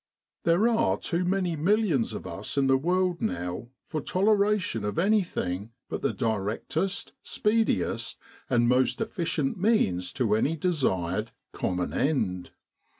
There are too many millions of us in the world now for toleration of anything but the directest, speediest, most efficient means to any desired, common end.